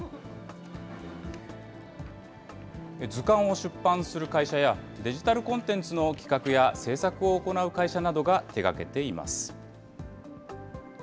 図鑑を出版する会社や、デジタルコンテンツの企画や制作を行う会社などが手がけています。